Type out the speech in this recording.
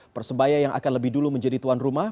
persebaya yang akan lebih dulu menjadi tuan rumah